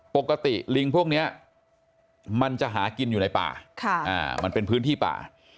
ปกติลิงพวกนี้มันจะหากินอยู่ในป่ามันเป็นพื้นที่ป่า